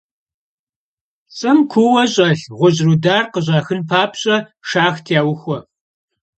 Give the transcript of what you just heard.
Ş'ım kuuue ş'elh ğuş' rudar khış'axın papş'e, şşaxt yauxue.